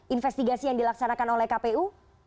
investigasi yang dilaksanakan oleh kpu